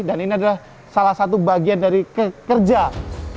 dan ini adalah salah satu truk yang dianggap ya yang dianggap